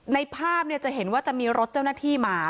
ในภาพจะเห็นว่าจะมีรถเจ้าหน้าที่มา